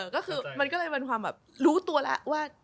ก็คือมันก็เลยเป็นความแบบรู้ตัวแล้วว่า